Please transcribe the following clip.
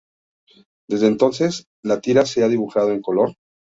Desde entonces, la tira se ha dibujado en color.